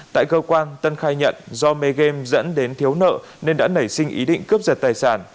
tại cơ quan tân khai nhận do mê game dẫn đến thiếu nợ nên đã nảy sinh ý định cướp giật tài sản